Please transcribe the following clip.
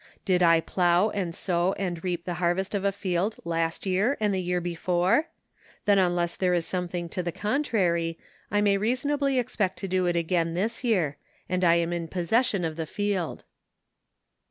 Did I plough and sow and reap the harvest of a field last year and the year before ? Then unless there is something to the contrary, I may reasonably expect to do it again this year, and I am in possession of the field.